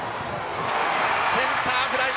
センターフライ！